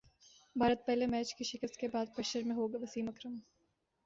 بھارت پہلے میچ کی شکست کے بعد پریشر میں ہوگاوسیم اکرم